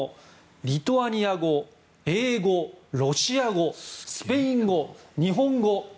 リトアニア語、英語、ロシア語スペイン語、日本語。